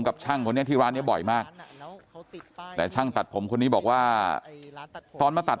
กับช่างคนนี้ที่ร้านนี้บ่อยมากแต่ช่างตัดผมคนนี้บอกว่าตอนมาตัด